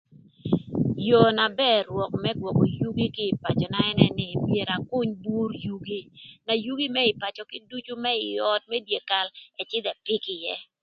Yoo na bër rwök më gwökö yugi kï ï pacöna ënë nï myero aküny bur yugi ëk yugi më ï pacö kïduc më ï öt më dyekal ëcïdhï ëpïkö ïë.